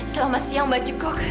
selamat siang mbak cikgu